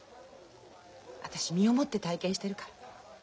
私身をもって体験してるから。